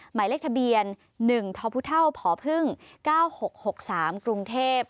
หมายเลขทะเบียน๑ทพ๙๖๖๓กรุงเทพฯ